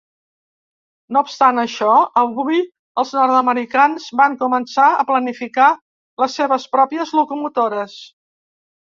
No obstant això, aviat els nord-americans van començar a planificar les seves pròpies locomotores.